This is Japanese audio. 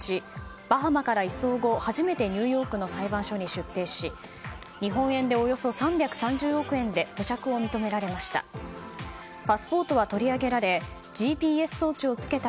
バハマから移送後初めてニューヨークの裁判所に出廷し日本円でおよそ３３０億円で保釈を認められました。